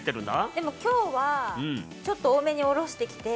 でも今日はちょっと多めに下ろしてきて。